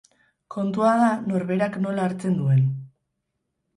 Kontua da norberak nola hartzen duen.